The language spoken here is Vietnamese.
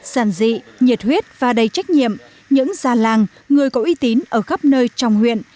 sản dị nhiệt huyết và đầy trách nhiệm những già làng người có uy tín ở khắp nơi trong huyện